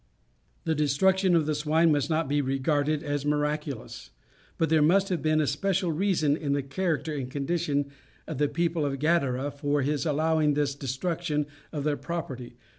The destruction of the swine must not be regarded as miraculous. But there must have been a special reason in the character and condition of the people of Gadara for his allowing this destruction of their property.